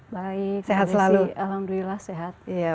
baik alhamdulillah sehat